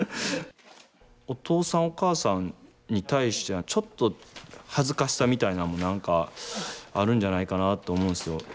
お父さんお母さんに対してはちょっと恥ずかしさみたいなんも何かあるんじゃないかなと思うんですよ。